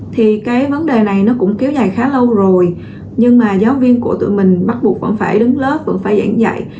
thì cái vấn đề này nó cũng kéo dài khá lâu rồi nhưng mà giáo viên của tụi mình bắt buộc vẫn phải đứng lớp vẫn phải giảng dạy